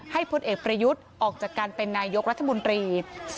พลเอกประยุทธ์ออกจากการเป็นนายกรัฐมนตรี